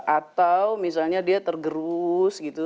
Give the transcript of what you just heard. atau misalnya dia tergerus gitu